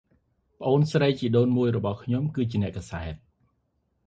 ប្អូនស្រីជីដូនមួយរបស់ខ្ញុំជាអ្នកកាសែត ។